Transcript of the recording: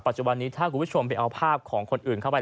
จุบันนี้ถ้าคุณผู้ชมไปเอาภาพของคนอื่นเข้าไป